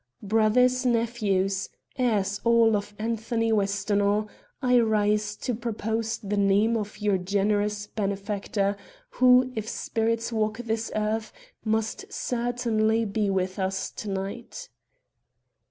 Brothers, nephews heirs all of Anthony Westonhaugh, I rise to propose the name of your generous benefactor, who, if spirits walk this earth, must certainly be with us to night."